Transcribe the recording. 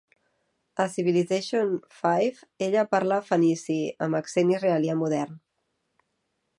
A Civilization V, ella parla fenici, amb accent israelià modern.